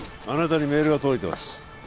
あなたにメールが届いてます